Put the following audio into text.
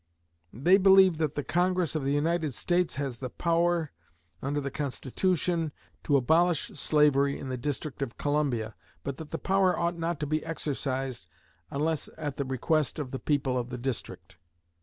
They believe that the Congress of the United States has the power, under the Constitution, to abolish slavery in the District of Columbia, but that the power ought not to be exercised, unless at the request of the people of the District.